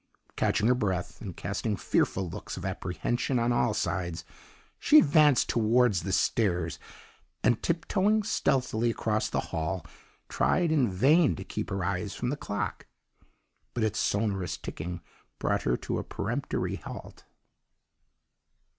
"Catching her breath and casting fearful looks of apprehension on all sides, she advanced towards the stairs and 'tiptoeing' stealthily across the hall, tried in vain to keep her eyes from the clock. But its sonorous ticking brought her to a peremptory halt.